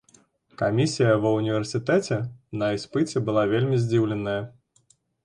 Камісія ва ўніверсітэце на іспыце была вельмі здзіўленая.